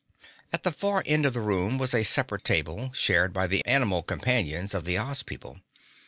At the far end of the room was a separate table, shared by the animal companions of the Oz people.